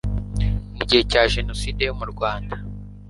mu gihe cya jenoside yo mu Rwanda,